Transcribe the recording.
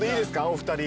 お二人。